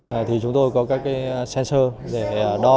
vnpt có các sensor để đo